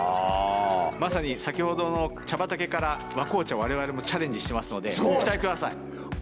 まさに先ほどの茶畑から和紅茶我々もチャレンジしてますのでご期待ください！